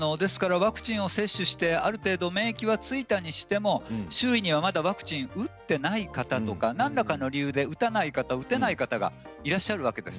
ワクチンを接種してある程度免疫がついたにしても周囲にはまだワクチンを打っていない人とか何らかの理由で打たない方打てない方もいらっしゃるわけです。